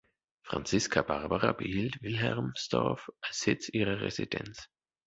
Franziska Barbara behielt Wilhermsdorf als Sitz ihrer Residenz.